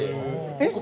えっ？